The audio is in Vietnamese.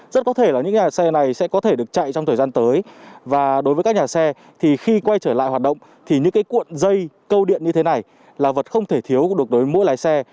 rất có thể là những nhà xe này sẽ có thể được chạy trong thời gian tới và đối với các nhà xe thì khi quay trở lại hoạt động thì những cái cuộn dây câu điện như thế này là vật không thể thiếu được đối với mỗi lái xe